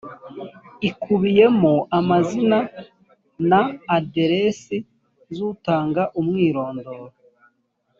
ikubiyemo amazina na aderesi z ‘utanga umwirondoro.